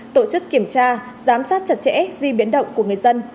tổ chức kiểm tra giám sát chặt chẽ di biến động của người dân